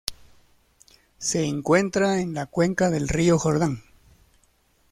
Se encuentra en la cuenca del río Jordán.